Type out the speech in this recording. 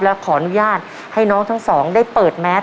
และขออนุญาตให้น้องทั้งสองได้เปิดแมส